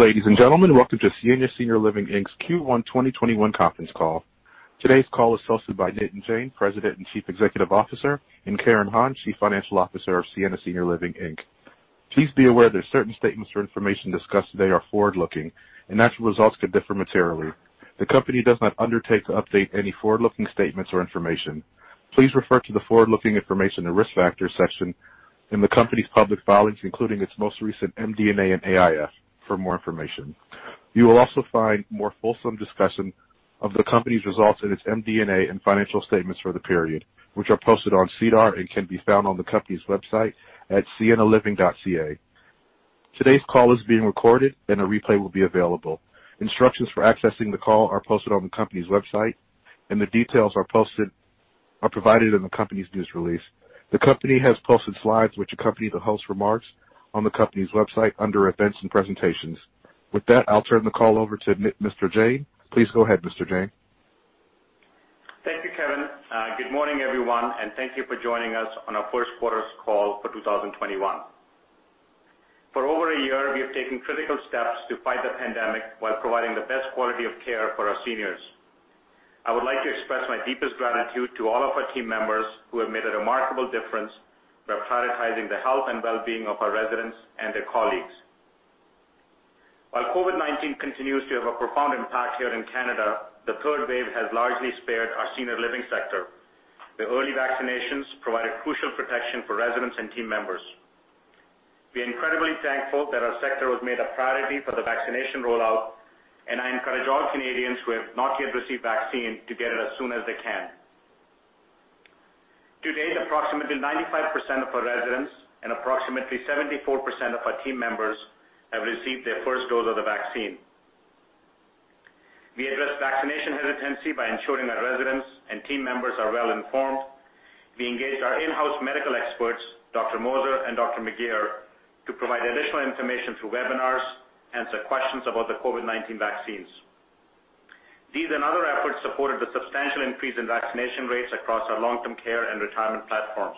Ladies and gentlemen, welcome to Sienna Senior Living Inc.'s Q1 2021 conference call. Today's call is hosted by Nitin Jain, President and Chief Executive Officer, and Karen Hon, Chief Financial Officer of Sienna Senior Living Inc. Please be aware that certain statements or information discussed today are forward-looking, and actual results could differ materially. The company does not undertake to update any forward-looking statements or information. Please refer to the forward-looking information and risk factors section in the company's public filings, including its most recent MD&A and AIF for more information. You will also find more fulsome discussion of the company's results in its MD&A and financial statements for the period, which are posted on SEDAR and can be found on the company's website at siennaliving.ca. Today's call is being recorded, and a replay will be available. Instructions for accessing the call are posted on the company's website, and the details are provided in the company's news release. The company has posted slides which accompany the host's remarks on the company's website under Events and Presentations. With that, I'll turn the call over to Mr. Jain. Please go ahead, Mr. Jain. Thank you, Kevin. Good morning, everyone, and thank you for joining us on our first quarter's call for 2021. For over a year, we have taken critical steps to fight the pandemic while providing the best quality of care for our seniors. I would like to express my deepest gratitude to all of our team members who have made a remarkable difference by prioritizing the health and well-being of our residents and their colleagues. While COVID-19 continues to have a profound impact here in Canada, the third wave has largely spared our senior living sector. The early vaccinations provided crucial protection for residents and team members. We are incredibly thankful that our sector was made a priority for the vaccination rollout, and I encourage all Canadians who have not yet received vaccine to get it as soon as they can. To date, approximately 95% of our residents and approximately 74% of our team members have received their first dose of the vaccine. We address vaccination hesitancy by ensuring our residents and team members are well-informed. We engaged our in-house medical experts, Dr. Moser and Dr. McGeer, to provide additional information through webinars, answer questions about the COVID-19 vaccines. These and other efforts supported the substantial increase in vaccination rates across our long-term care and retirement platforms.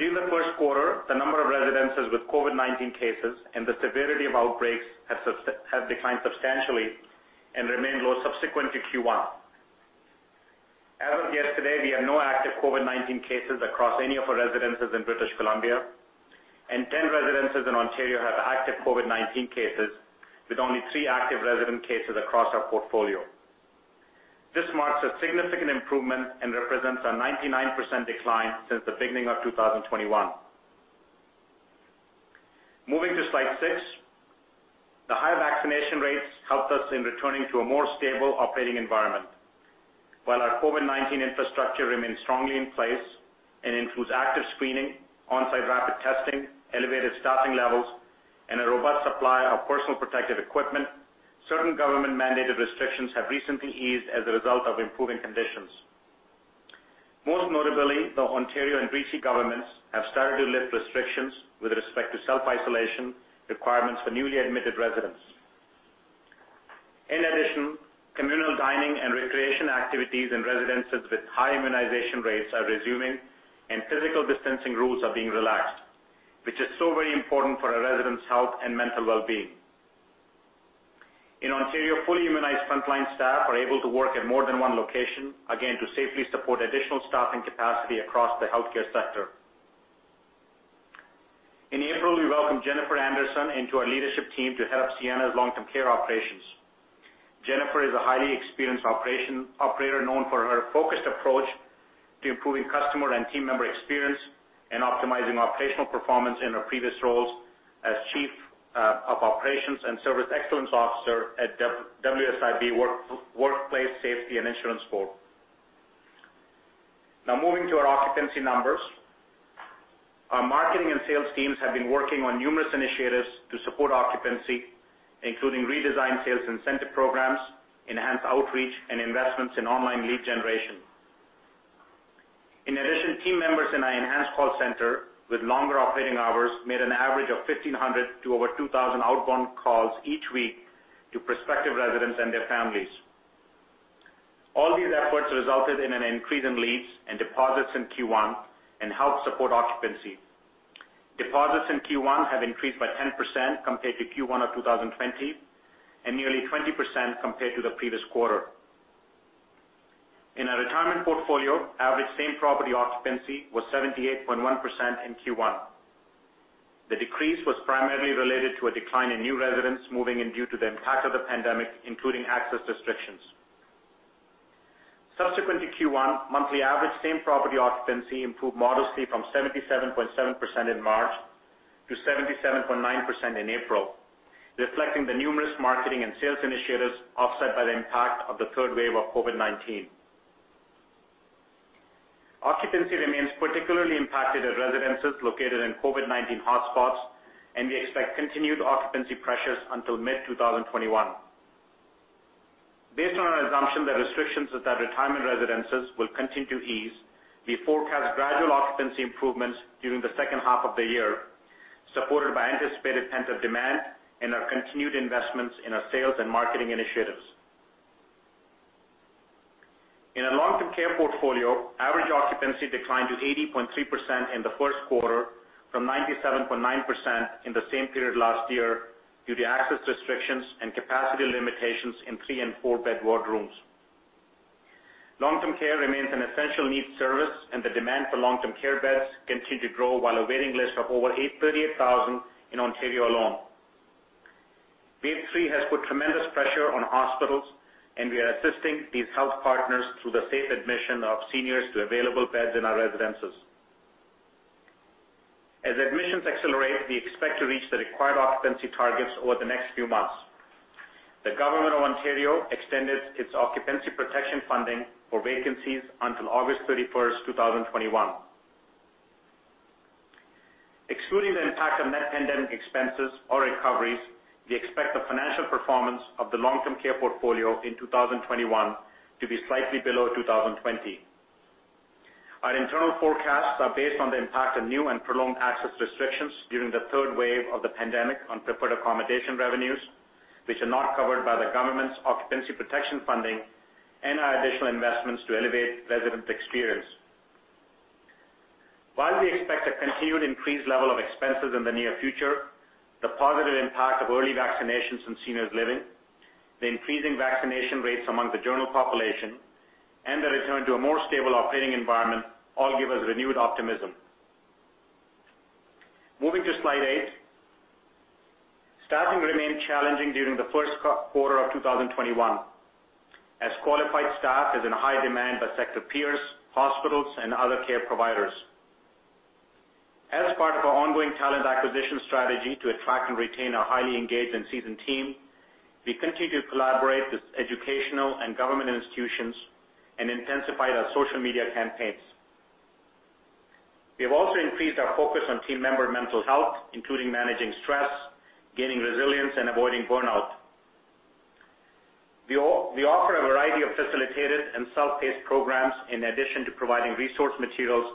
During the first quarter, the number of residences with COVID-19 cases and the severity of outbreaks have declined substantially and remained low subsequent to Q1. As of yesterday, we have no active COVID-19 cases across any of our residences in British Columbia, and 10 residences in Ontario have active COVID-19 cases, with only three active resident cases across our portfolio. This marks a significant improvement and represents a 99% decline since the beginning of 2021. Moving to slide six. The high vaccination rates helped us in returning to a more stable operating environment. While our COVID-19 infrastructure remains strongly in place and includes active screening, on-site rapid testing, elevated staffing levels, and a robust supply of personal protective equipment, certain government-mandated restrictions have recently eased as a result of improving conditions. Most notably, the Ontario and BC governments have started to lift restrictions with respect to self-isolation requirements for newly admitted residents. In addition, communal dining and recreation activities in residences with high immunization rates are resuming and physical distancing rules are being relaxed, which is so very important for our residents' health and mental well-being. In Ontario, fully immunized frontline staff are able to work at more than one location, again, to safely support additional staffing capacity across the healthcare sector. In April, we welcomed Jennifer Anderson into our leadership team to head up Sienna's long-term care operations. Jennifer is a highly experienced operator known for her focused approach to improving customer and team member experience and optimizing operational performance in her previous roles as Chief of Operations and Service Excellence Officer at WSIB, Workplace Safety and Insurance Board. Now, moving to our occupancy numbers. Our marketing and sales teams have been working on numerous initiatives to support occupancy, including redesigned sales incentive programs, enhanced outreach, and investments in online lead generation. In addition, team members in our enhanced call center with longer operating hours made an average of 1,500 to over 2,000 outbound calls each week to prospective residents and their families. All these efforts resulted in an increase in leads and deposits in Q1 and helped support occupancy. Deposits in Q1 have increased by 10% compared to Q1 of 2020 and nearly 20% compared to the previous quarter. In our retirement portfolio, average same-property occupancy was 78.1% in Q1. The decrease was primarily related to a decline in new residents moving in due to the impact of the pandemic, including access restrictions. Subsequent to Q1, monthly average same-property occupancy improved modestly from 77.7% in March to 77.9% in April, reflecting the numerous marketing and sales initiatives offset by the impact of the third wave of COVID-19. Occupancy remains particularly impacted at residences located in COVID-19 hotspots, and we expect continued occupancy pressures until mid-2021. Based on our assumption that restrictions at our retirement residences will continue to ease, we forecast gradual occupancy improvements during the second half of the year, supported by anticipated pent-up demand and our continued investments in our sales and marketing initiatives. In our long-term care portfolio, average occupancy declined to 80.3% in the first quarter from 97.9% in the same period last year due to access restrictions and capacity limitations in three and four-bed ward rooms. Long-term care remains an essential needs service, and the demand for long-term care beds continue to grow while a waiting list of over 38,000 in Ontario alone. Wave three has put tremendous pressure on hospitals, and we are assisting these health partners through the safe admission of seniors to available beds in our residences. As admissions accelerate, we expect to reach the required occupancy targets over the next few months. The Government of Ontario extended its occupancy protection funding for vacancies until August 31, 2021. Excluding the impact of net pandemic expenses or recoveries, we expect the financial performance of the long-term care portfolio in 2021 to be slightly below 2020. Our internal forecasts are based on the impact of new and prolonged access restrictions during the third wave of the pandemic on preferred accommodation revenues, which are not covered by the Government's occupancy protection funding and our additional investments to elevate resident experience. While we expect a continued increased level of expenses in the near future, the positive impact of early vaccinations in Seniors Living, the increasing vaccination rates among the general population, and the return to a more stable operating environment all give us renewed optimism. Moving to slide eight. Staffing remained challenging during the first quarter of 2021, as qualified staff is in high demand by sector peers, hospitals, and other care providers. As part of our ongoing talent acquisition strategy to attract and retain our highly engaged and seasoned team, we continue to collaborate with educational and government institutions and intensified our social media campaigns. We have also increased our focus on team member mental health, including managing stress, gaining resilience, and avoiding burnout. We offer a variety of facilitated and self-paced programs in addition to providing resource materials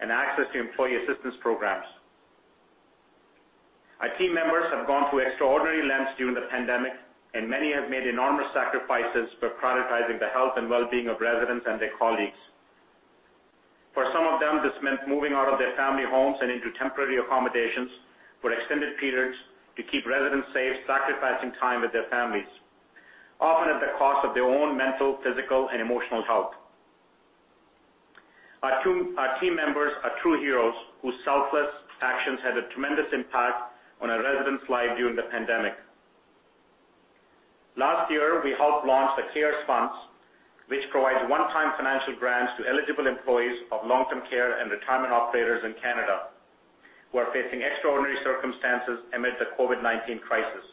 and access to employee assistance programs. Our team members have gone to extraordinary lengths during the pandemic, and many have made enormous sacrifices for prioritizing the health and well-being of residents and their colleagues. For some of them, this meant moving out of their family homes and into temporary accommodations for extended periods to keep residents safe, sacrificing time with their families, often at the cost of their own mental, physical, and emotional health. Our team members are true heroes whose selfless actions had a tremendous impact on our residents' life during the pandemic. Last year, we helped launch the Senior Living CaRES Fund, which provides one-time financial grants to eligible employees of long-term care and retirement operators in Canada who are facing extraordinary circumstances amid the COVID-19 crisis.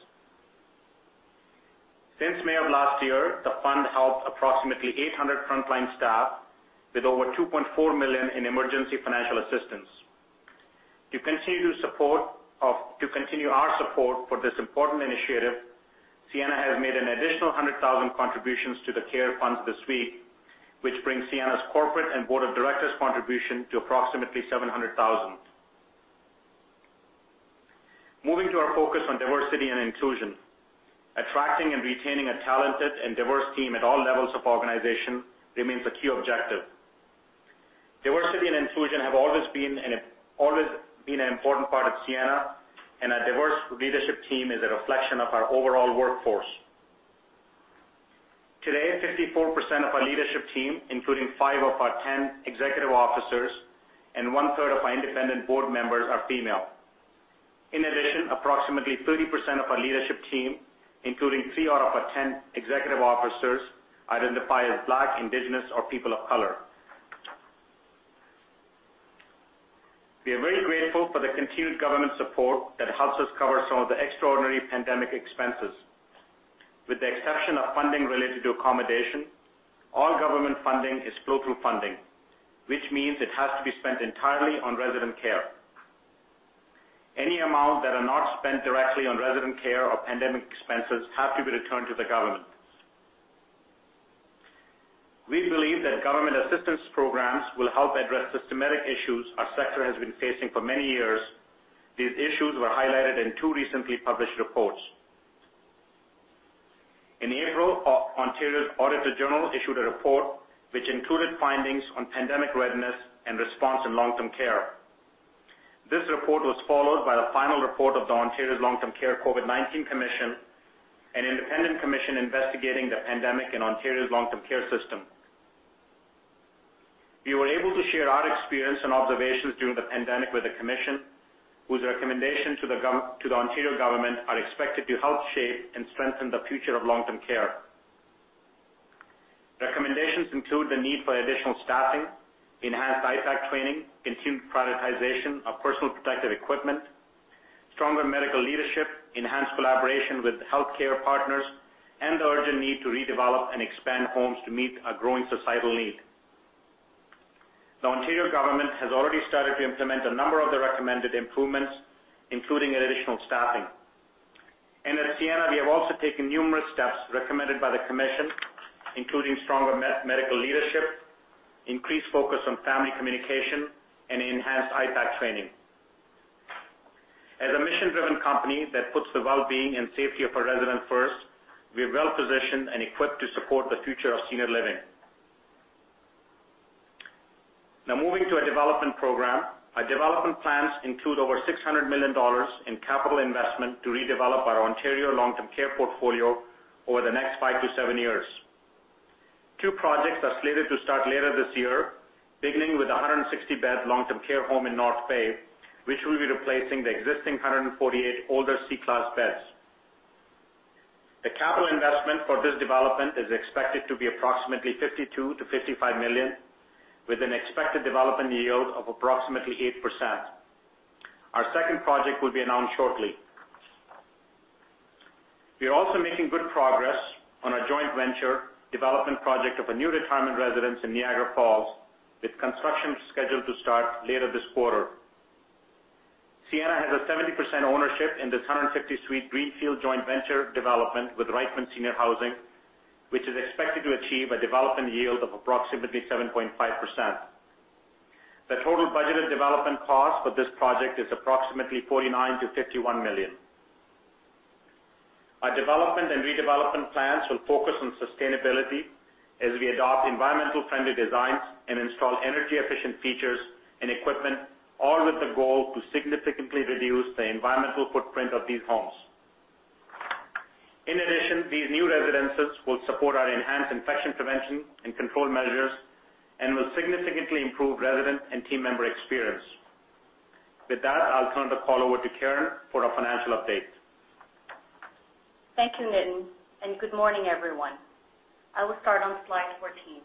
Since May of last year, the fund helped approximately 800 frontline staff with over 2.4 million in emergency financial assistance. To continue our support for this important initiative, Sienna has made an additional 100,000 contributions to the Senior Living CaRES Fund this week, which brings Sienna's corporate and Board of Directors contribution to approximately 700,000. Moving to our focus on diversity and inclusion. Attracting and retaining a talented and diverse team at all levels of organization remains a key objective. Diversity and inclusion have always been an important part of Sienna, and our diverse leadership team is a reflection of our overall workforce. Today, 54% of our leadership team, including five of our 10 executive officers and one-third of our Independent Board members, are female. In addition, approximately 30% of our leadership team, including three out of our 10 executive officers, identify as Black, Indigenous, or people of color. We are very grateful for the continued government support that helps us cover some of the extraordinary pandemic expenses. With the exception of funding related to accommodation, all government funding is flow-through funding, which means it has to be spent entirely on resident care. Any amount that are not spent directly on resident care or pandemic expenses have to be returned to the government. We believe that government assistance programs will help address systematic issues our sector has been facing for many years. These issues were highlighted in two recently published reports. In April, Ontario's Auditor General issued a report which included findings on pandemic readiness and response in long-term care. This report was followed by the final report of the Ontario's Long-Term Care COVID-19 Commission, an independent commission investigating the pandemic in Ontario's long-term care system. We were able to share our experience and observations during the pandemic with the commission, whose recommendation to the Ontario government are expected to help shape and strengthen the future of long-term care. Recommendations include the need for additional staffing, enhanced IPAC training, continued prioritization of personal protective equipment, stronger medical leadership, enhanced collaboration with healthcare partners, and the urgent need to redevelop and expand homes to meet a growing societal need. The Ontario government has already started to implement a number of the recommended improvements, including additional staffing. At Sienna, we have also taken numerous steps recommended by the commission, including stronger medical leadership, increased focus on family communication, and enhanced IPAC training. As a mission-driven company that puts the well-being and safety of our residents first, we are well-positioned and equipped to support the future of senior living. Now moving to our development program. Our development plans include over 600 million dollars in capital investment to redevelop our Ontario long-term care portfolio over the next five to seven years. Two projects are slated to start later this year, beginning with 160-bed long-term care home in North Bay, which will be replacing the existing 148 older C Class beds. The capital investment for this development is expected to be approximately 52 million-55 million, with an expected development yield of approximately 8%. Our second project will be announced shortly. We are also making good progress on our joint venture development project of a new retirement residence in Niagara Falls, with construction scheduled to start later this quarter. Sienna has a 70% ownership in this 150 suite greenfield joint venture development with Reichmann Senior Housing, which is expected to achieve a development yield of approximately 7.5%. The total budgeted development cost for this project is approximately 49 million-51 million. Our development and redevelopment plans will focus on sustainability as we adopt environmental-friendly designs and install energy-efficient features and equipment, all with the goal to significantly reduce the environmental footprint of these homes. In addition, these new residences will support our enhanced infection prevention and control measures and will significantly improve resident and team member experience. With that, I'll turn the call over to Karen for our financial update. Thank you, Nitin. Good morning, everyone. I will start on slide 14.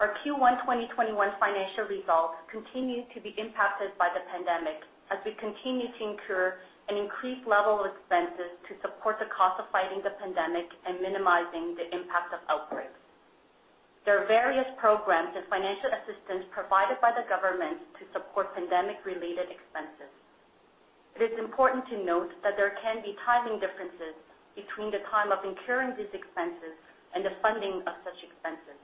Our Q1 2021 financial results continued to be impacted by the pandemic as we continued to incur an increased level of expenses to support the cost of fighting the pandemic and minimizing the impact of outbreaks. There are various programs and financial assistance provided by the government to support pandemic-related expenses. It is important to note that there can be timing differences between the time of incurring these expenses and the funding of such expenses.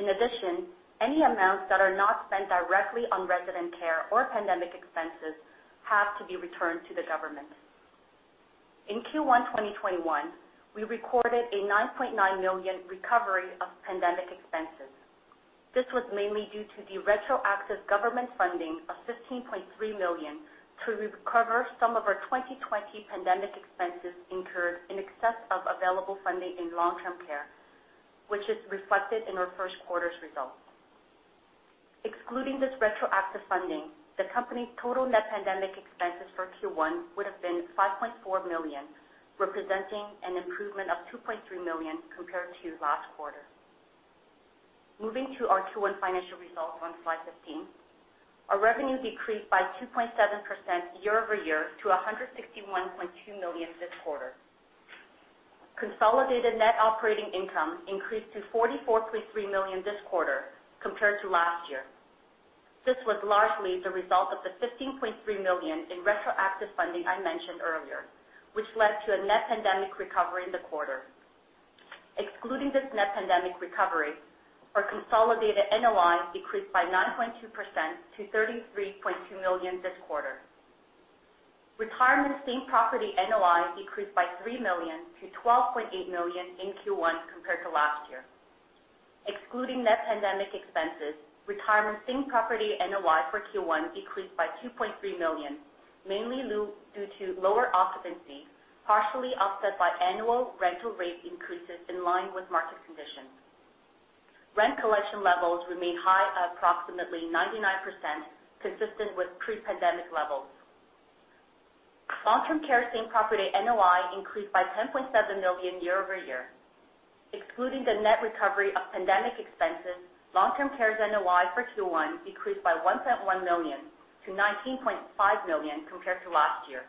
In addition, any amounts that are not spent directly on resident care or pandemic expenses have to be returned to the government. In Q1 2021, we recorded a 9.9 million recovery of pandemic expenses. This was mainly due to the retroactive government funding of 15.3 million to recover some of our 2020 pandemic expenses incurred in excess of available funding in long-term care, which is reflected in our first quarter's results. Excluding this retroactive funding, the company's total net pandemic expenses for Q1 would have been 5.4 million, representing an improvement of 2.3 million compared to last quarter. Moving to our Q1 financial results on slide 15. Our revenue decreased by 2.7% year-over-year to 161.2 million this quarter. Consolidated net operating income increased to 44.3 million this quarter compared to last year. This was largely the result of the 15.3 million in retroactive funding I mentioned earlier, which led to a net pandemic recovery in the quarter. Excluding this net pandemic recovery, our consolidated NOI decreased by 9.2% to 33.2 million this quarter. Retirement same-property NOI decreased by 3 million-12.8 million in Q1 compared to last year. Excluding net pandemic expenses, retirement same-property NOI for Q1 decreased by 2.3 million, mainly due to lower occupancy, partially offset by annual rental rate increases in line with market conditions. Rent collection levels remain high at approximately 99%, consistent with pre-pandemic levels. Long-term care same-property NOI increased by 10.7 million year-over-year. Excluding the net recovery of pandemic expenses, long-term care's NOI for Q1 decreased by 1.1 million-19.5 million compared to last year,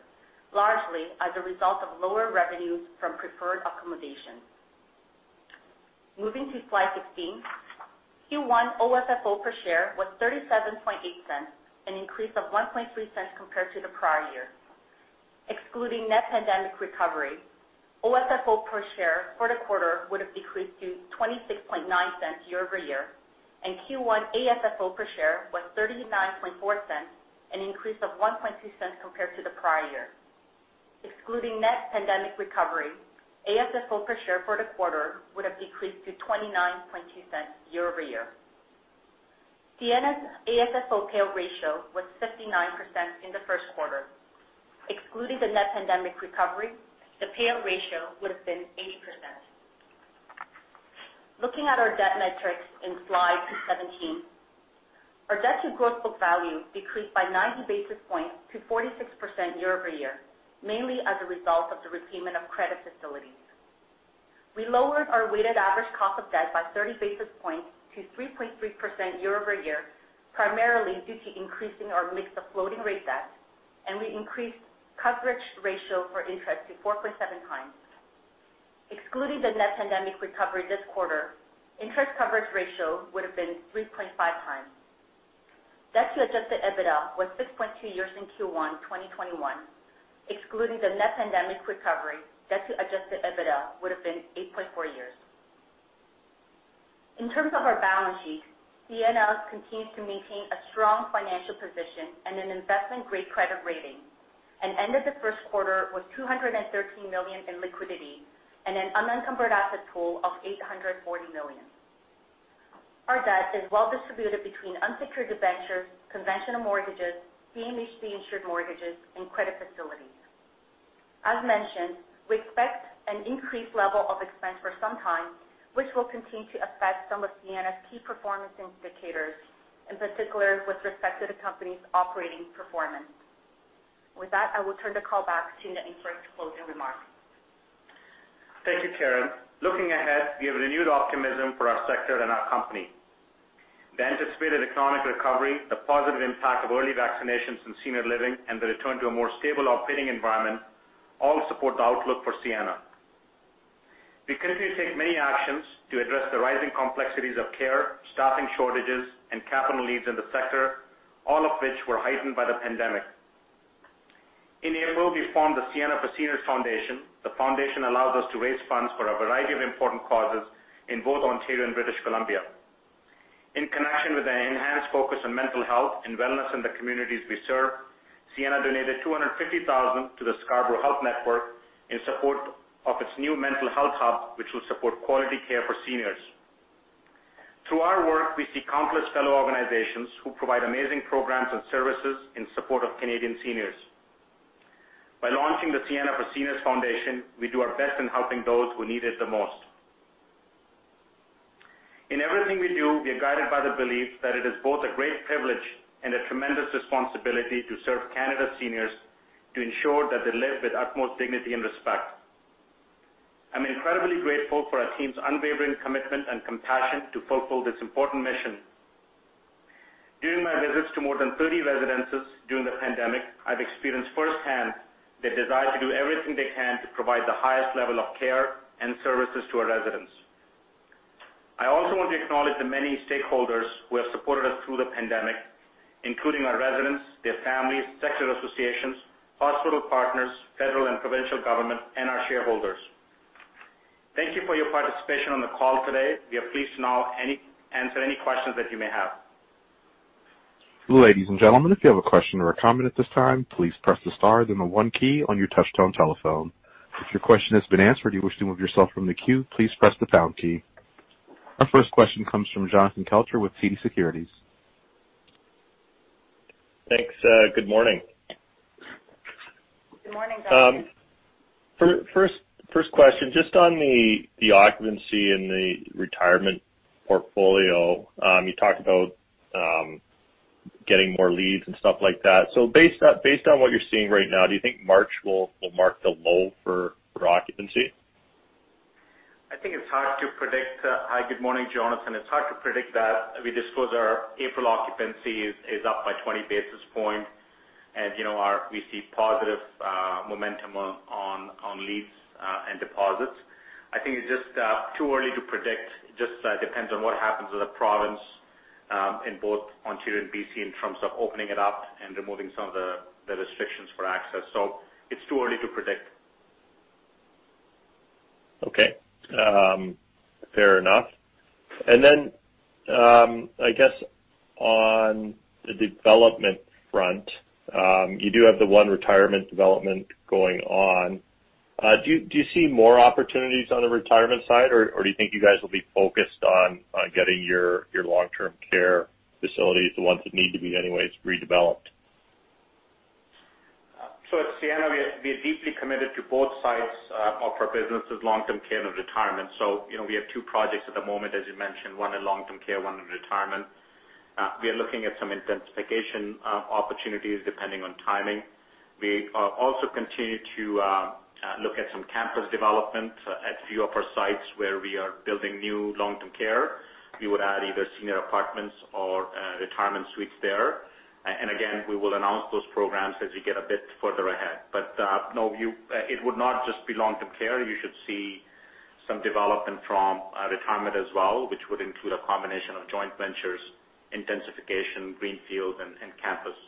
largely as a result of lower revenues from preferred accommodation. Moving to slide 16. Q1 OFFO per share was 0.378, an increase of 0.013 compared to the prior year. Excluding net pandemic recovery, OFFO per share quarter-to-quarter would have decreased to 0.269 year-over-year, and Q1 OFFO per share was 0.394, an increase of 0.012 compared to the prior year. Excluding net pandemic recovery, OFFO per share for the quarter would have decreased to 0.292 year-over-year. Sienna's OFFO payout ratio was 59% in the first quarter. Excluding the net pandemic recovery, the payout ratio would have been 80%. Looking at our debt metrics in slide 17. Our debt to gross book value decreased by 90 basis points to 46% year-over-year, mainly as a result of the repayment of credit facilities. We lowered our weighted average cost of debt by 30 basis points to 3.3% year-over-year, primarily due to increasing our mix of floating rate debt, and we increased coverage ratio for interest to 4.7 times. Excluding the net pandemic recovery this quarter, interest coverage ratio would have been 3.5 times. Debt to adjusted EBITDA was 6.2 years in Q1 2021. Excluding the net pandemic recovery, debt to adjusted EBITDA would have been 8.4 years. In terms of our balance sheet, Sienna continues to maintain a strong financial position and an investment-grade credit rating, and ended the first quarter with 213 million in liquidity and an unencumbered asset pool of 840 million. Our debt is well distributed between unsecured debentures, conventional mortgages, CMHC-insured mortgages, and credit facilities. As mentioned, we expect an increased level of expense for some time, which will continue to affect some of Sienna's key performance indicators, in particular with respect to the company's operating performance. With that, I will turn the call back to Nitin for his closing remarks. Thank you, Karen. Looking ahead, we have renewed optimism for our sector and our company. The anticipated economic recovery, the positive impact of early vaccinations in senior living, and the return to a more stable operating environment all support the outlook for Sienna. We continue to take many actions to address the rising complexities of care, staffing shortages, and capital needs in the sector, all of which were heightened by the pandemic. In April, we formed the Sienna for Seniors Foundation. The foundation allows us to raise funds for a variety of important causes in both Ontario and British Columbia. In connection with an enhanced focus on mental health and wellness in the communities we serve, Sienna donated 250,000 to the Scarborough Health Network in support of its new mental health hub, which will support quality care for seniors. Through our work, we see countless fellow organizations who provide amazing programs and services in support of Canadian seniors. By launching the Sienna for Seniors Foundation, we do our best in helping those who need it the most. In everything we do, we are guided by the belief that it is both a great privilege and a tremendous responsibility to serve Canada's seniors, to ensure that they live with utmost dignity and respect. I'm incredibly grateful for our team's unwavering commitment and compassion to fulfill this important mission. During my visits to more than 30 residences during the pandemic, I've experienced firsthand their desire to do everything they can to provide the highest level of care and services to our residents. I also want to acknowledge the many stakeholders who have supported us through the pandemic, including our residents, their families, sector associations, hospital partners, federal and provincial government, and our shareholders. Thank you for your participation on the call today. We are pleased to now answer any questions that you may have. Ladies and gentlemen, if you have a question or a comment at this time, please press the star, then the one key on your touchtone telephone. If your question has been answered or you wish to move yourself from the queue, please press the pound key. Our first question comes from Jonathan Kelcher with TD Securities. Thanks. Good morning. Good morning, Jonathan. First question, just on the occupancy in the retirement portfolio. You talked about getting more leads and stuff like that. Based on what you're seeing right now, do you think March will mark the low for occupancy? I think it's hard to predict. Hi, good morning, Jonathan. It's hard to predict that. We disclose our April occupancy is up by 20 basis points, and we see positive momentum on leads and deposits. I think it's just too early to predict. It just depends on what happens with the province, in both Ontario and BC, in terms of opening it up and removing some of the restrictions for access. It's too early to predict. Okay. Fair enough. Then, I guess on the development front, you do have the one retirement development going on. Do you see more opportunities on the retirement side, or do you think you guys will be focused on getting your long-term care facilities, the ones that need to be anyways, redeveloped? At Sienna, we are deeply committed to both sides of our businesses, long-term care and retirement. We have two projects at the moment, as you mentioned, one in long-term care, one in retirement. We are looking at some intensification opportunities depending on timing. We also continue to look at some campus development at a few of our sites where we are building new long-term care. We would add either senior apartments or retirement suites there. Again, we will announce those programs as we get a bit further ahead. No, it would not just be long-term care. You should see some development from retirement as well, which would include a combination of joint ventures, intensification, greenfield, and campus.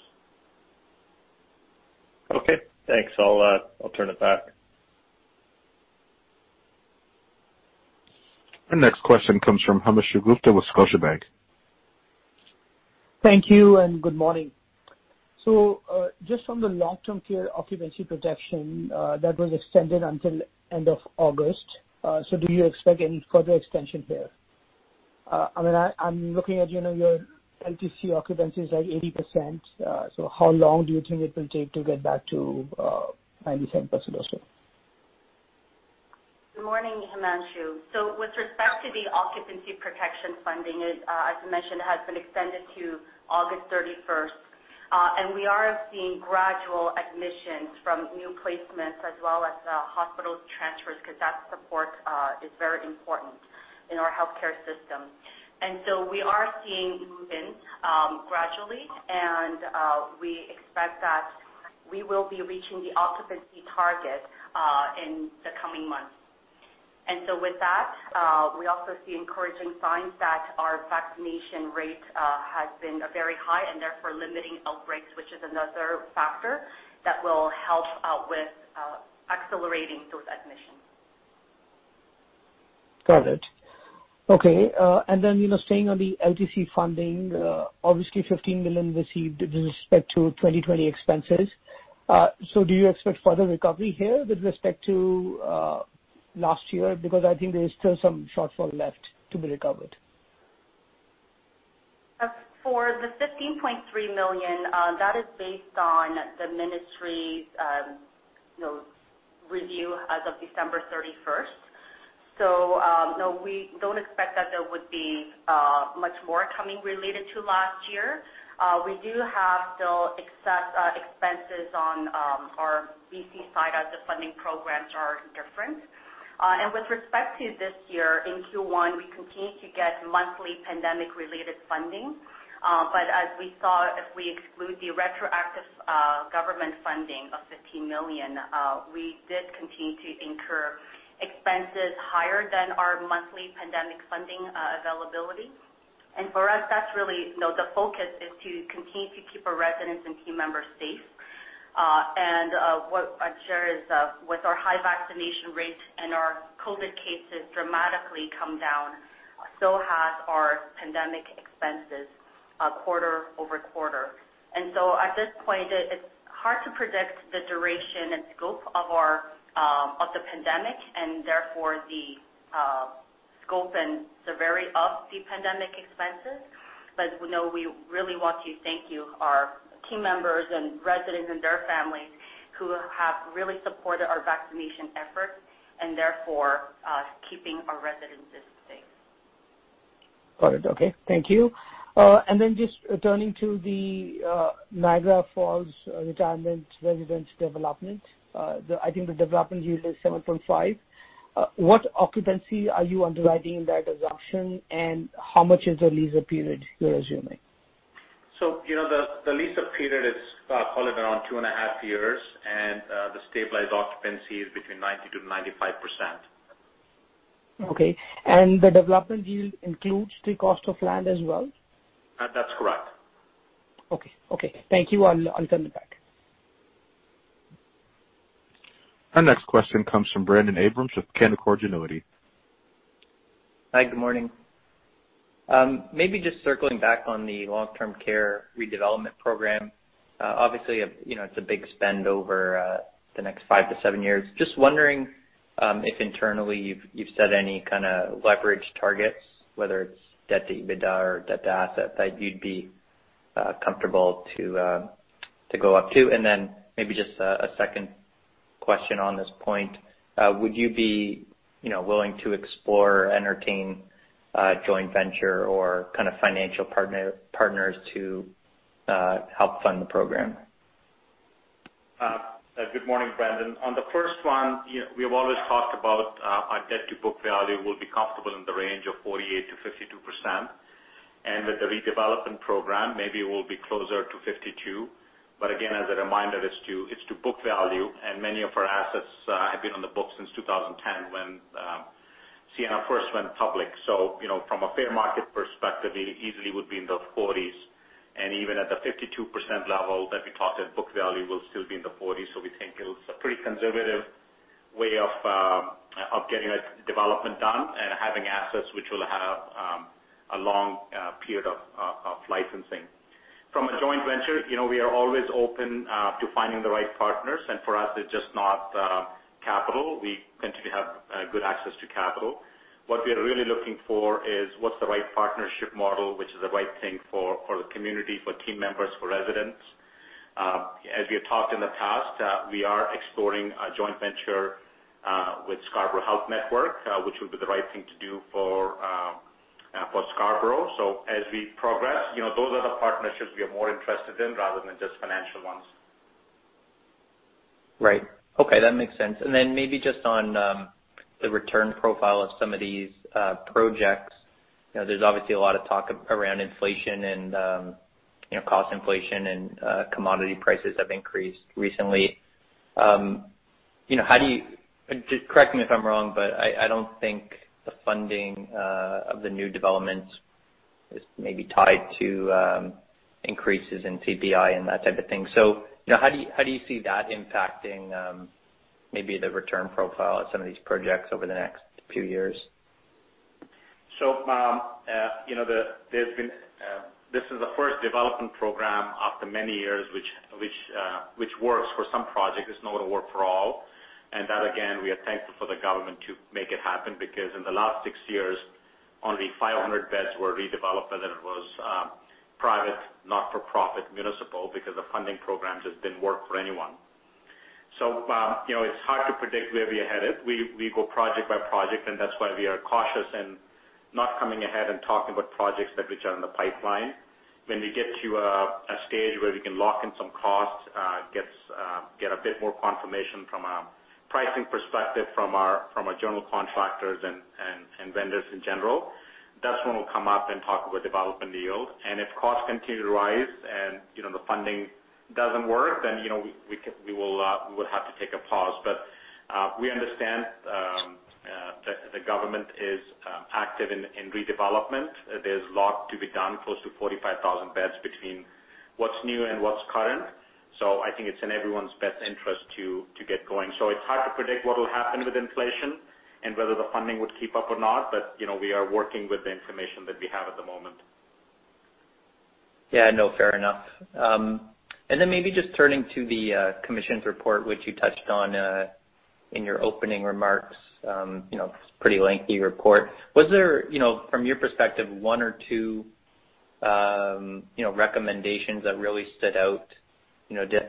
Okay, thanks. I'll turn it back. Our next question comes from Himanshu Gupta with Scotiabank. Thank you, and good morning. Just on the long-term care occupancy protection that was extended until end of August. Do you expect any further extension there? I'm looking at your LTC occupancy is at 80%. How long do you think it will take to get back to 97% or so? Good morning, Himanshu. With respect to the occupancy protection funding, as mentioned, has been extended to August 31st. We are seeing gradual admissions from new placements as well as hospital transfers, because that support is very important in our healthcare system. We are seeing move-ins gradually, and we expect that we will be reaching the occupancy target in the coming months. With that, we also see encouraging signs that our vaccination rate has been very high and therefore limiting outbreaks, which is another factor that will help out with accelerating those admissions. Got it. Okay. Staying on the LTC funding, obviously 15 million received with respect to 2020 expenses. Do you expect further recovery here with respect to last year? I think there is still some shortfall left to be recovered. For the 15.3 million, that is based on the ministry's review as of December 31st. No, we don't expect that there would be much more coming related to last year. We do have still excess expenses on our B.C. side as the funding programs are different. With respect to this year, in Q1, we continue to get monthly pandemic related funding. As we saw, if we exclude the retroactive government funding of 15 million, we did continue to incur expenses higher than our monthly pandemic funding availability. For us, that's really, the focus is to continue to keep our residents and team members safe. What I'd share is, with our high vaccination rates and our COVID cases dramatically come down, so has our pandemic expenses quarter-over-quarter. At this point, it's hard to predict the duration and scope of the pandemic, and therefore the scope and severity of the pandemic expenses. We know we really want to thank our team members and residents and their families who have really supported our vaccination efforts, and therefore keeping our residences safe. Got it. Okay. Thank you. Just turning to the Niagara Falls Retirement Residence development. I think the development yield is 7.5%. What occupancy are you underwriting in that assumption, and how much is the lease-up period you're assuming? The lease-up period is probably around two and a half years, and the stabilized occupancy is between 90%-95%. Okay. The development yield includes the cost of land as well? That's correct. Okay. Thank you. I'll turn it back. Our next question comes from Brendon Abrams with Canaccord Genuity. Hi, good morning. Maybe just circling back on the long-term care redevelopment program. Obviously, it's a big spend over the next five to seven years. Just wondering, if internally you've set any kind of leverage targets, whether it's debt to EBITDA or debt to asset that you'd be comfortable to go up to. Maybe just a second question on this point. Would you be willing to explore, entertain a joint venture or kind of financial partners to help fund the program? Good morning, Brendon. We have always talked about our debt to book value will be comfortable in the range of 48%-52%. With the redevelopment program, maybe it will be closer to 52%. Again, as a reminder, it's to book value, and many of our assets have been on the books since 2010 when Sienna first went public. From a fair market perspective, it easily would be in the 40s. Even at the 52% level that we talked at, book value will still be in the 40s. We think it's a pretty conservative way of getting a development done and having assets which will have a long period of licensing. From a joint venture, we are always open to finding the right partners, for us, it's just not capital. We continue to have good access to capital. What we are really looking for is what's the right partnership model, which is the right thing for the community, for team members, for residents. As we have talked in the past, we are exploring a joint venture with Scarborough Health Network, which would be the right thing to do for Scarborough. As we progress, those are the partnerships we are more interested in rather than just financial ones. Right. Okay. That makes sense. Maybe just on the return profile of some of these projects. There is obviously a lot of talk around inflation and cost inflation and commodity prices have increased recently. Correct me if I am wrong, but I do not think the funding of the new developments is maybe tied to increases in CPI and that type of thing. How do you see that impacting maybe the return profile of some of these projects over the next few years? This is the first development program after many years which works for some projects. It's not going to work for all. That, again, we are thankful for the government to make it happen because in the last six years, only 500 beds were redeveloped, whether it was private, not for profit, municipal, because the funding programs just didn't work for anyone. It's hard to predict where we are headed. We go project by project, and that's why we are cautious and not coming ahead and talking about projects which are in the pipeline. When we get to a stage where we can lock in some costs, get a bit more confirmation from a pricing perspective from our general contractors and vendors in general, that's when we'll come up and talk about development deals. If costs continue to rise and the funding doesn't work, then we will have to take a pause. We understand that the government is active in redevelopment. There's a lot to be done, close to 45,000 beds between what's new and what's current. I think it's in everyone's best interest to get going. It's hard to predict what will happen with inflation and whether the funding would keep up or not, but we are working with the information that we have at the moment. Yeah, no, fair enough. Maybe just turning to the commission's report, which you touched on in your opening remarks. It's a pretty lengthy report. Was there, from your perspective, one or two recommendations that really stood out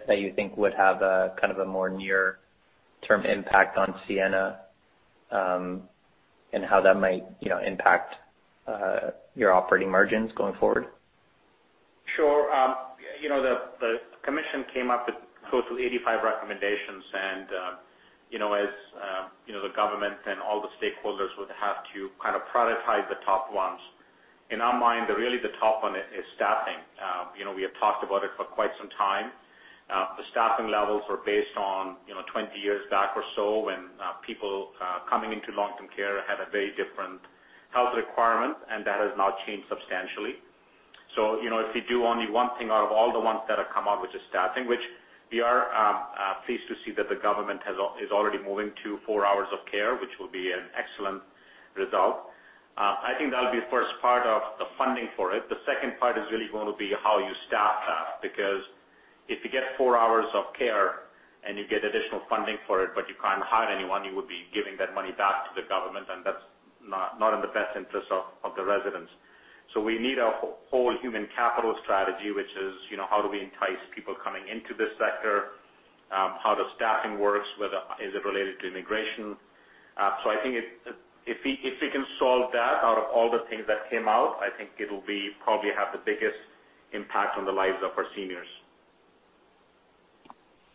that you think would have a more near-term impact on Sienna, and how that might impact your operating margins going forward? Sure. The Commission came up with a total of 85 recommendations. As the government and all the stakeholders would have to prioritize the top ones. In our mind, really the top one is staffing. We have talked about it for quite some time. The staffing levels were based on, 20 years back or so when people coming into long-term care had a very different health requirement, and that has now changed substantially. If you do only one thing out of all the ones that have come up, which is staffing, which we are pleased to see that the government is already moving to four hours of care, which will be an excellent result. I think that'll be the first part of the funding for it. The second part is really going to be how you staff that, because if you get four hours of care and you get additional funding for it, but you can't hire anyone, you would be giving that money back to the government, and that's not in the best interest of the residents. We need a whole human capital strategy, which is, how do we entice people coming into this sector? How does staffing works? Is it related to immigration? I think if we can solve that out of all the things that came out, I think it'll probably have the biggest impact on the lives of our seniors.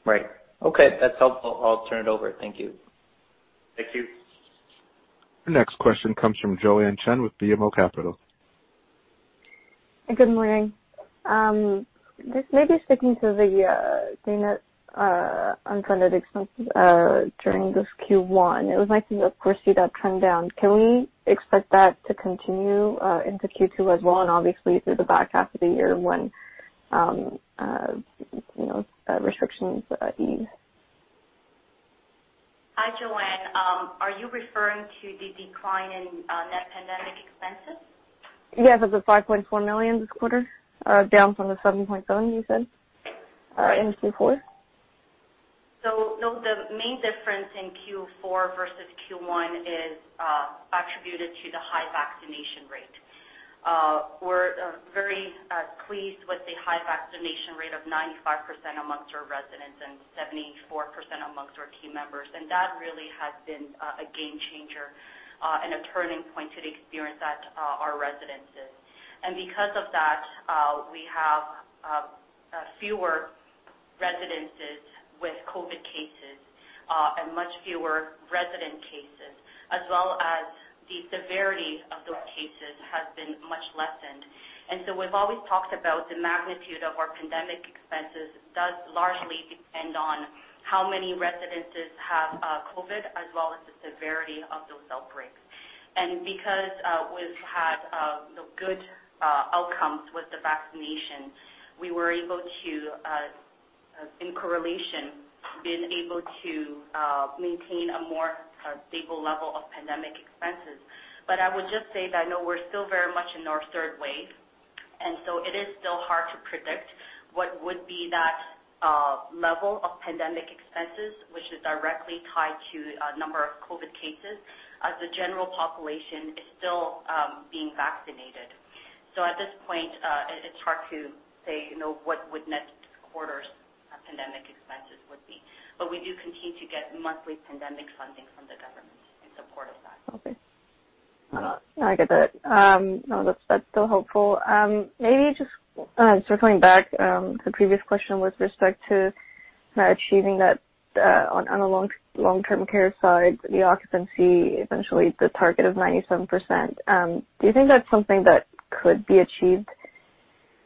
Right. Okay. That's helpful. I'll turn it over. Thank you. Thank you. The next question comes from Joanne Chen with BMO Capital. Good morning. Just maybe sticking to the net unfunded expenses during this Q1. It was nice to see that trend down. Can we expect that to continue into Q2 as well, and obviously through the back half of the year when restrictions ease? Hi, Joanne. Are you referring to the decline in net pandemic expenses? Yes. Of the 5.4 million this quarter, down from the 7.7 million you said in Q4. No, the main difference in Q4 versus Q1 is attributed to the high vaccination rate. We're very pleased with the high vaccination rate of 95% amongst our residents and 74% amongst our team members. That really has been a game changer, and a turning point to the experience at our residences. Because of that, we have fewer residences with COVID cases, and much fewer resident cases, as well as the severity of those cases has been much lessened. We've always talked about the magnitude of our pandemic expenses does largely depend on how many residences have COVID, as well as the severity of those outbreaks. Because we've had good outcomes with the vaccination, we were able to, in correlation, been able to maintain a more stable level of pandemic expenses. I would just say that I know we're still very much in our third wave, and so it is still hard to predict what would be that level of pandemic expenses, which is directly tied to a number of COVID-19 cases, as the general population is still being vaccinated. At this point, it's hard to say, what would next quarter's pandemic expenses would be. We do continue to get monthly pandemic funding from the government in support of that. Okay. No, I get that. No, that's still helpful. Circling back to the previous question with respect to achieving that on a long-term care side, the occupancy, essentially the target of 97%. Do you think that is something that could be achieved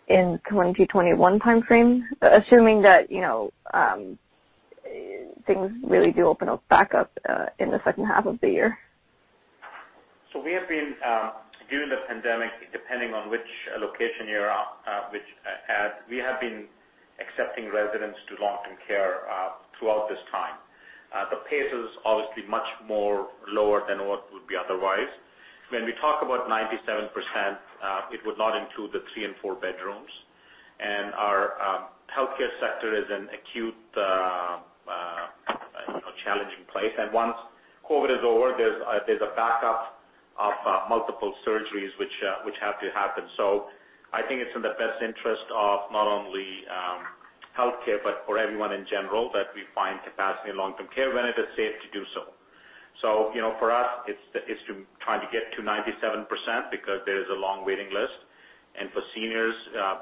in 2021 timeframe? Assuming that things really do open back up, in the second half of the year. We have been, during the pandemic, depending on which location you're at, we have been accepting residents to long-term care throughout this time. The pace is obviously much more lower than what would be otherwise. When we talk about 97%, it would not include the three and four bedrooms. Our healthcare sector is an acute challenging place. Once COVID-19 is over, there's a backup of multiple surgeries which have to happen. I think it's in the best interest of not only healthcare, but for everyone in general, that we find capacity in long-term care when it is safe to do so. For us, it's to try to get to 97% because there is a long waiting list. For seniors,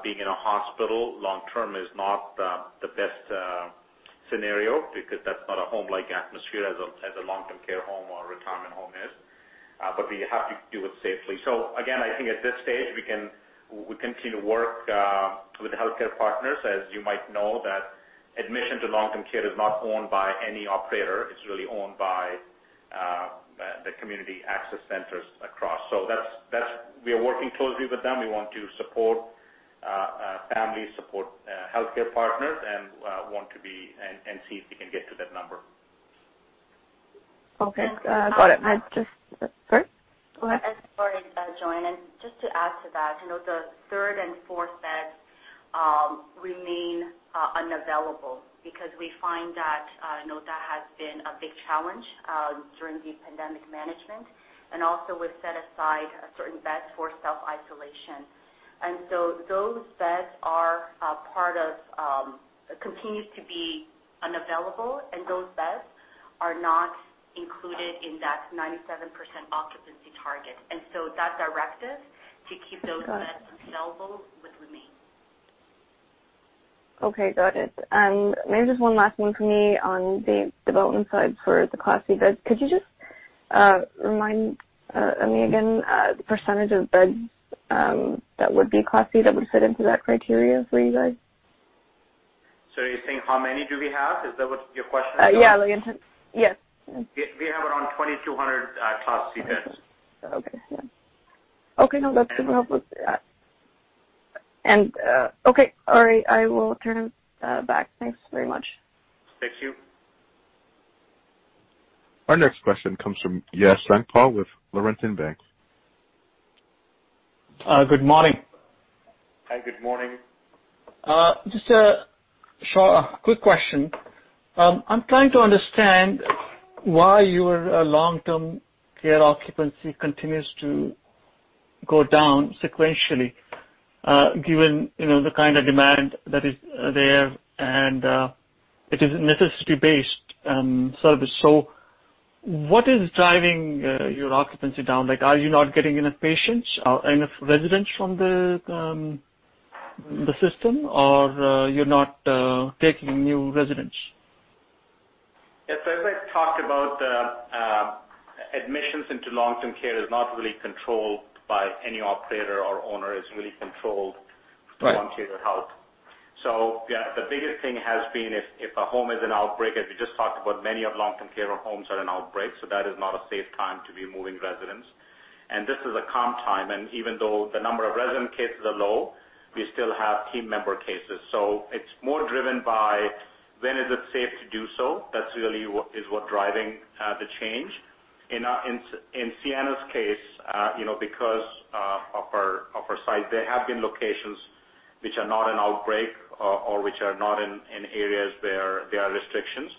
being in a hospital long-term is not the best scenario because that's not a home-like atmosphere as a long-term care home or a retirement home is. We have to do it safely. Again, I think at this stage, we continue to work with the healthcare partners. As you might know that admission to long-term care is not owned by any operator. It's really owned by the Community Care Access Centres across. We are working closely with them. We want to support families, support healthcare partners, and see if we can get to that number. Okay. Got it. Sorry, go ahead. Sorry, Joanne. Just to add to that, the third and fourth beds remain unavailable because we find that has been a big challenge during the pandemic management. Also, we've set aside certain beds for self-isolation. So those beds continues to be unavailable, and those beds are not included in that 97% occupancy target. So that directive to keep those beds. Got it. Unavailable would remain. Okay. Got it. Maybe just one last one from me on the development side for the Class C beds. Could you just remind me again the percentage of beds that would be Class C that would fit into that criteria for you guys? Are you saying how many do we have? Is that what your question is? Yeah. Yes. We have around 2,200 Class C beds. Okay. Yeah. Okay. No, that's helpful. Okay. All right. I will turn it back. Thanks very much. Thank you. Our next question comes from Yash Sankpal with Laurentian Bank. Good morning. Hi. Good morning. Just a quick question. I'm trying to understand why your long-term care occupancy continues to go down sequentially, given the kind of demand that is there and it is a necessity-based service. What is driving your occupancy down? Are you not getting enough residents from the system, or you're not taking new residents? Yes. As I talked about, admissions into long-term care is not really controlled by any operator or owner. It's really controlled. Right. By Ontario Health. Yeah, the biggest thing has been if a home is in outbreak, as we just talked about, many long-term care homes are in outbreak. That is not a safe time to be moving residents. This is a calm time. Even though the number of resident cases are low, we still have team member cases. It's more driven by when is it safe to do so. That's really what is driving the change. In Sienna's case, because of our site, there have been locations which are not in outbreak or which are not in areas where there are restrictions.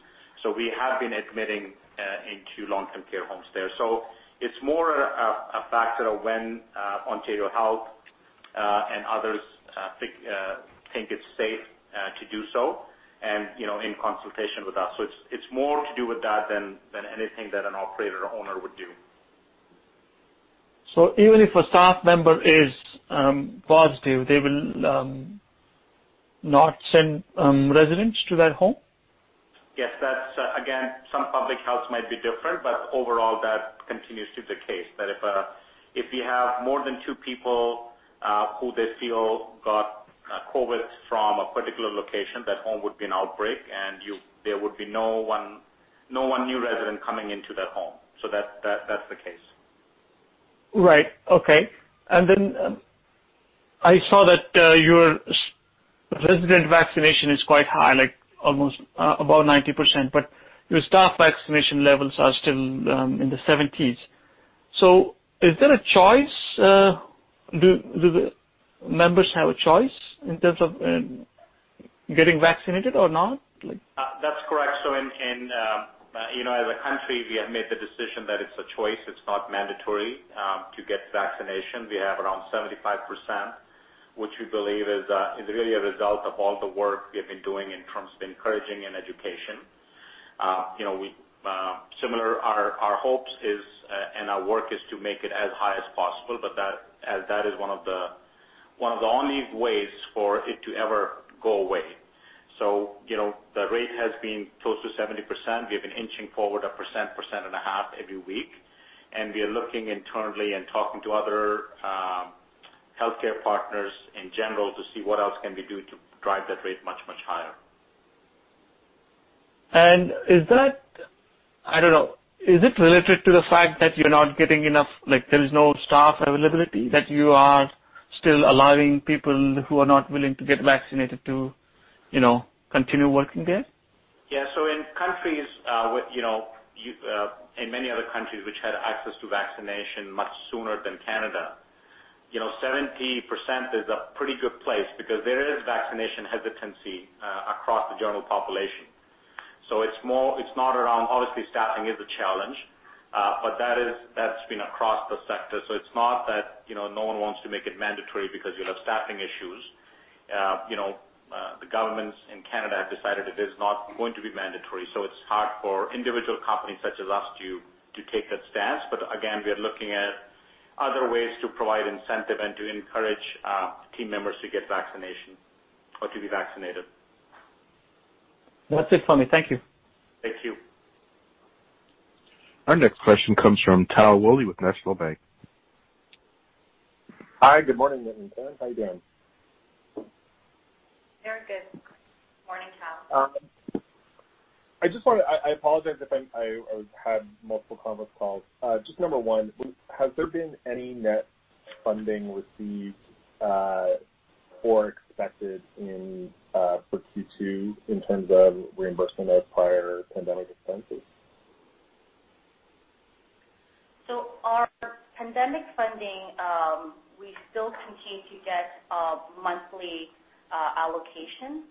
We have been admitting into long-term care homes there. It's more a factor of when Ontario Health, and others think it's safe to do so and in consultation with us. It's more to do with that than anything that an operator or owner would do. Even if a staff member is positive, they will not send residents to that home? Yes. Again, some public health might be different, but overall, that continues to be the case. That if you have more than two people, who they feel got COVID-19 from a particular location, that home would be an outbreak, and there would be no one new resident coming into that home. That's the case. Right. Okay. I saw that your resident vaccination is quite high, almost above 90%, but your staff vaccination levels are still in the seventies. Is there a choice? Do the members have a choice in terms of getting vaccinated or not? That's correct. As a country, we have made the decision that it's a choice. It's not mandatory to get vaccination. We have around 75%, which we believe is really a result of all the work we have been doing in terms of encouraging and education. Similar, our hopes and our work is to make it as high as possible, but that is one of the only ways for it to ever go away. The rate has been close to 70%. We have been inching forward a % and a half every week, and we are looking internally and talking to other healthcare partners in general to see what else can we do to drive that rate much, much higher. Is that, I don't know. Is it related to the fact that you're not getting enough, like there is no staff availability, that you are still allowing people who are not willing to get vaccinated to continue working there? Yeah. In many other countries which had access to vaccination much sooner than Canada, 70% is a pretty good place because there is vaccination hesitancy across the general population. It's not around, obviously, staffing is a challenge. That's been across the sector. It's not that no one wants to make it mandatory because you'll have staffing issues. The governments in Canada have decided it is not going to be mandatory. It's hard for individual companies such as us to take that stance. Again, we are looking at other ways to provide incentive and to encourage team members to get vaccinations or to be vaccinated. That's it for me. Thank you. Thank you. Our next question comes from Tal Woolley with National Bank. Hi. Good morning. How you doing? Very good. Morning, Tal. I apologize if I have multiple conference calls. Just number one, has there been any net funding received? Expected for Q2 in terms of reimbursement of prior pandemic expenses. Our pandemic funding, we still continue to get a monthly allocation.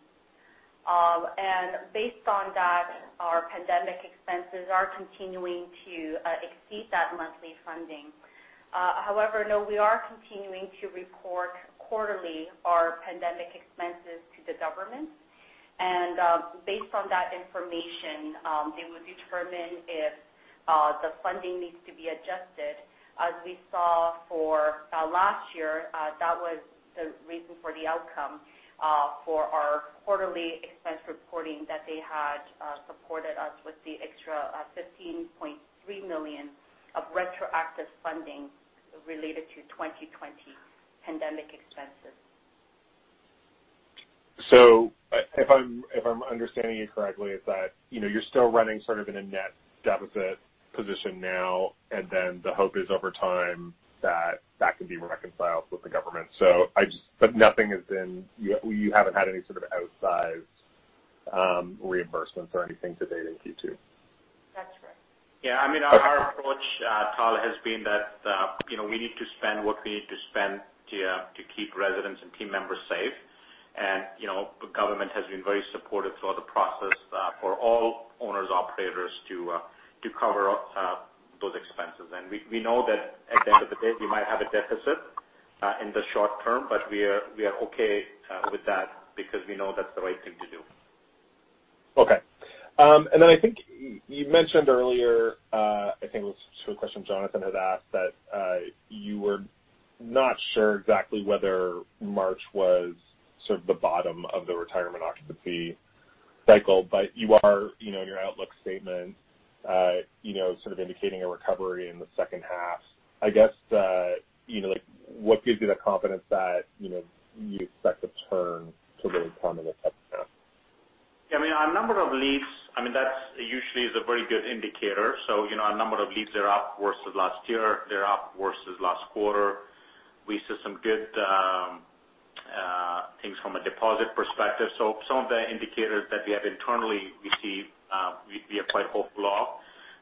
Based on that, our pandemic expenses are continuing to exceed that monthly funding. However, no, we are continuing to report quarterly our pandemic expenses to the government. Based on that information, they would determine if the funding needs to be adjusted. We saw for last year, that was the reason for the outcome for our quarterly expense reporting that they had supported us with the extra 15.3 million of retroactive funding related to 2020 pandemic expenses. If I'm understanding you correctly, it's that you're still running sort of in a net deficit position now, and then the hope is over time that that can be reconciled with the government. You haven't had any sort of outsized reimbursements or anything to date in Q2? That's right. Yeah. I mean, our approach, Tal, has been that we need to spend what we need to spend to keep residents and team members safe. The government has been very supportive throughout the process for all owners, operators to cover those expenses. We know that at the end of the day, we might have a deficit in the short term, but we are okay with that because we know that's the right thing to do. Okay. I think you mentioned earlier, I think it was to a question Jonathan had asked, that you were not sure exactly whether March was sort of the bottom of the retirement occupancy cycle, but you are in your outlook statement sort of indicating a recovery in the second half. I guess, what gives you the confidence that you expect a turn to really come in the second half? Yeah, I mean, our number of leads, that usually is a very good indicator. Our number of leads are up versus last year. They're up versus last quarter. We saw some good things from a deposit perspective. Some of the indicators that we have internally received, we are quite hopeful of.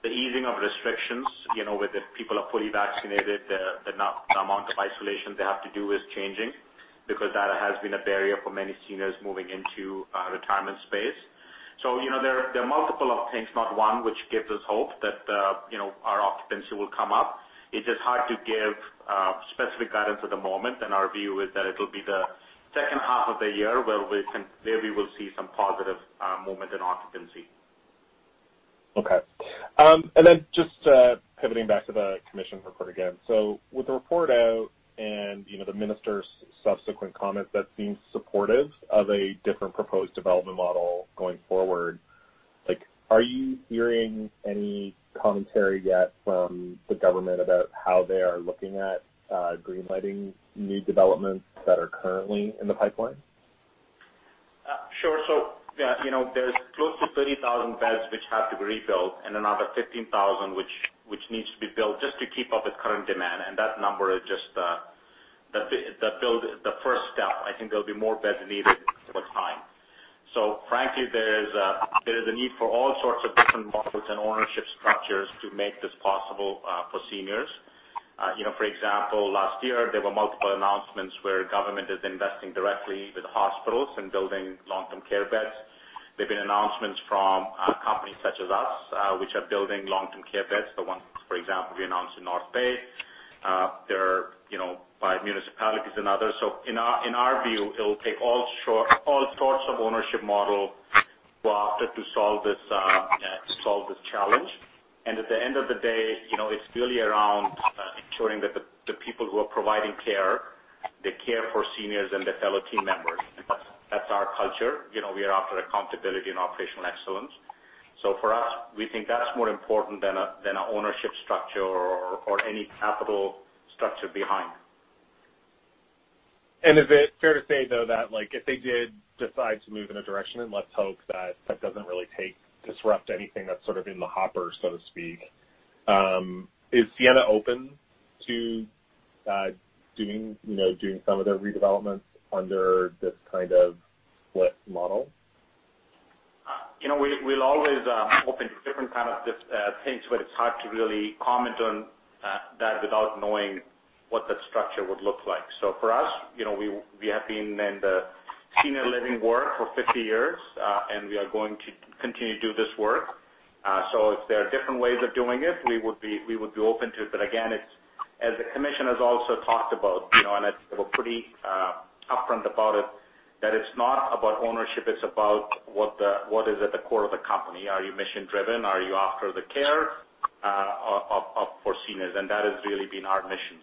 The easing of restrictions, where the people are fully vaccinated, the amount of isolation they have to do is changing, because that has been a barrier for many seniors moving into a retirement space. There are multiple of things, not one, which gives us hope that our occupancy will come up. It's just hard to give specific guidance at the moment, and our view is that it'll be the second half of the year where we will see some positive movement in occupancy. Okay. Just pivoting back to the commission report again. With the report out and the minister's subsequent comments that seem supportive of a different proposed development model going forward, are you hearing any commentary yet from the government about how they are looking at green-lighting new developments that are currently in the pipeline? Sure. There's close to 30,000 beds which have to be rebuilt and another 15,000 which needs to be built just to keep up with current demand. That number is just the first step. I think there'll be more beds needed with time. Frankly, there is a need for all sorts of different models and ownership structures to make this possible for seniors. For example, last year, there were multiple announcements where government is investing directly with hospitals and building long-term care beds. There've been announcements from companies such as us, which are building long-term care beds. The one, for example, we announced in North Bay, by municipalities and others. In our view, it will take all sorts of ownership model to solve this challenge. At the end of the day, it's really around ensuring that the people who are providing care, they care for seniors and their fellow team members. That's our culture. We are after accountability and operational excellence. For us, we think that's more important than an ownership structure or any capital structure behind. Is it fair to say, though, that if they did decide to move in a direction, and let's hope that that doesn't really disrupt anything that's sort of in the hopper, so to speak, is Sienna open to doing some of the redevelopments under this kind of split model? We're always open to different kind of things, but it's hard to really comment on that without knowing what that structure would look like. For us, we have been in the senior living work for 50 years, and we are going to continue to do this work. If there are different ways of doing it, we would be open to it. Again, as the commission has also talked about, and they were pretty upfront about it, that it's not about ownership, it's about what is at the core of the company. Are you mission-driven? Are you after the care for seniors? That has really been our mission.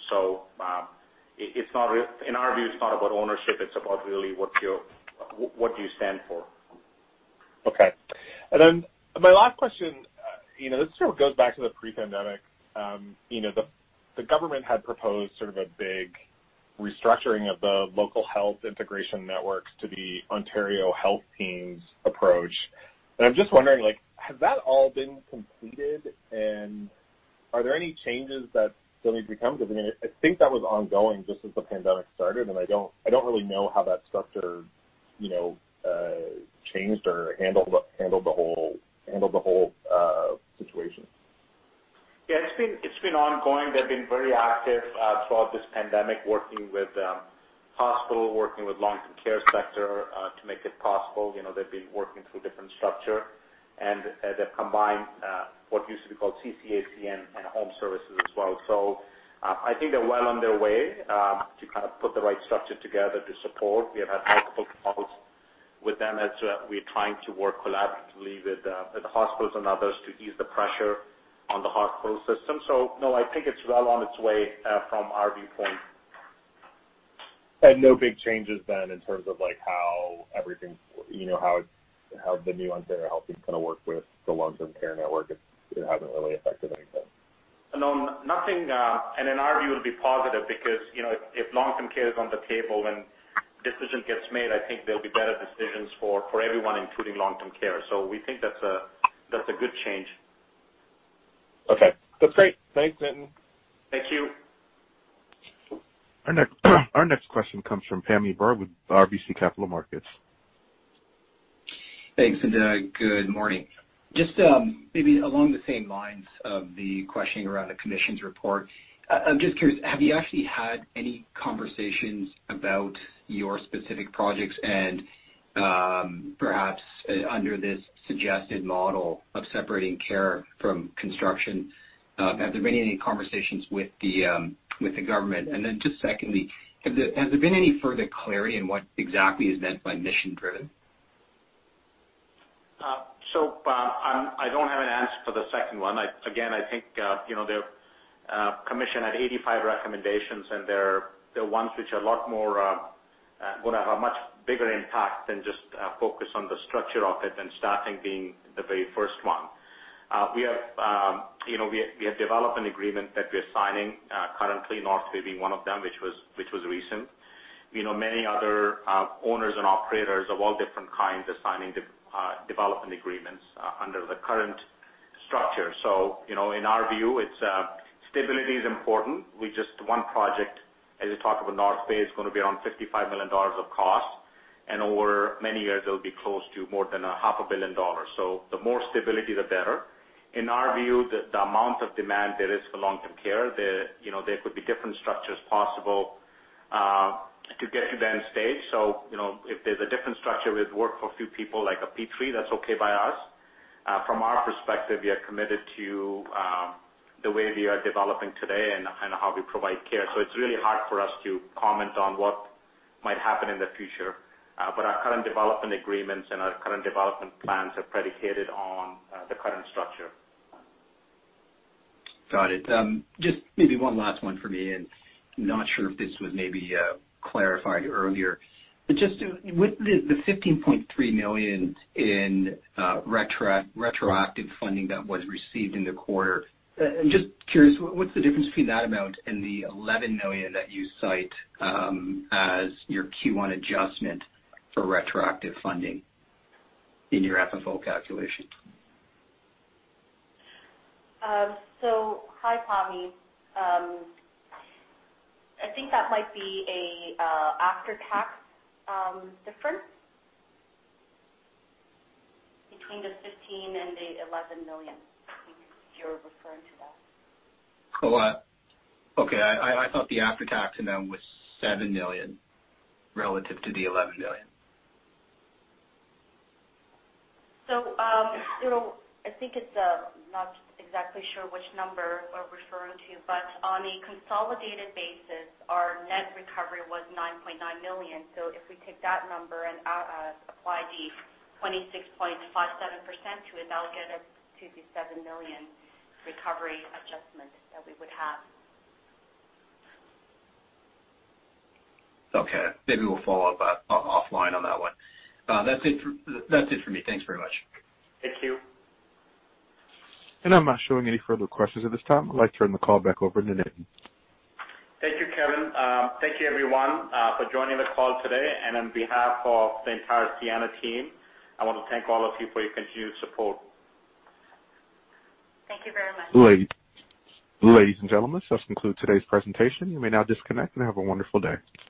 In our view, it's not about ownership, it's about really what do you stand for. Okay. Then my last question, this sort of goes back to the pre-pandemic. The government had proposed sort of a big restructuring of the local health integration networks to the Ontario Health Teams approach. I'm just wondering, has that all been completed and are there any changes that still need to come? I think that was ongoing just as the pandemic started, and I don't really know how that structure changed or handled the whole situation. Yeah. It's been ongoing. They've been very active, throughout this pandemic, working with hospital, working with long-term care sector to make it possible. They've been working through different structure, and they've combined, what used to be called CCAC and home services as well. I think they're well on their way to put the right structure together to support. We have had multiple calls with them as we're trying to work collaboratively with the hospitals and others to ease the pressure on the hospital system. No, I think it's well on its way, from our viewpoint. No big changes then in terms of how the new Ontario Health is going to work with the long-term care network, it hasn't really affected anything. No, nothing. In our view it will be positive because, if long-term care is on the table when decision gets made, I think there'll be better decisions for everyone, including long-term care. We think that's a good change. Okay. That's great. Thanks, Nitin. Thank you. Our next question comes from Pammi Bir with RBC Capital Markets. Thanks, good morning. Just maybe along the same lines of the questioning around the commission's report. I am just curious, have you actually had any conversations about your specific projects and, perhaps, under this suggested model of separating care from construction? Have there been any conversations with the government? Just secondly, has there been any further clarity on what exactly is meant by mission-driven? I don't have an answer for the second one. Again, I think, the commission had 85 recommendations, and there are ones which are going to have a much bigger impact than just a focus on the structure of it and staffing being the very first one. We have developed an agreement that we are signing, currently, North Bay being one of them, which was recent. Many other owners and operators of all different kinds are signing development agreements under the current structure. In our view, stability is important. With just one project, as we talk about North Bay, is going to be around 55 million dollars of cost, and over many years, it'll be close to more than a half a billion CAD. The more stability, the better. In our view, the amount of demand there is for long-term care, there could be different structures possible to get to them stage. If there's a different structure that would work for a few people like a P3, that's okay by us. From our perspective, we are committed to the way we are developing today and how we provide care. It's really hard for us to comment on what might happen in the future. Our current development agreements and our current development plans are predicated on the current structure. Got it. Just maybe one last one for me, not sure if this was maybe clarified earlier. Just with the 15.3 million in retroactive funding that was received in the quarter, I'm just curious, what's the difference between that amount and the 11 million that you cite as your Q1 adjustment for retroactive funding in your FFO calculation? Hi, Pammi. I think that might be a after-tax difference between the 15 and the 11 million, if you're referring to that. Okay. I thought the after-tax amount was 7 million relative to the 11 million. I think it's, not exactly sure which number we're referring to, but on a consolidated basis, our net recovery was 9.9 million. If we take that number and apply the 26.57% to it, that'll get us to the 7 million recovery adjustment that we would have. Okay. Maybe we'll follow up offline on that one. That's it for me. Thanks very much. Thank you. I'm not showing any further questions at this time. I'd like to turn the call back over to Nitin. Thank you, Kevin. Thank you everyone, for joining the call today. On behalf of the entire Sienna team, I want to thank all of you for your continued support. Thank you very much. Ladies and gentlemen, this concludes today's presentation. You may now disconnect, and have a wonderful day.